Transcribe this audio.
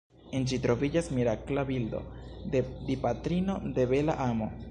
En ĝi troviĝas mirakla bildo de Dipatrino de Bela Amo.